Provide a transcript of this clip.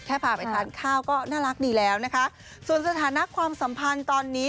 พาไปทานข้าวก็น่ารักดีแล้วนะคะส่วนสถานะความสัมพันธ์ตอนนี้